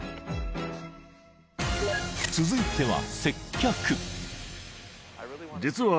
［続いては］